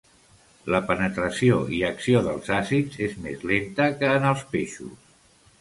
La penetració i acció dels àcids és més lenta que en els peixos.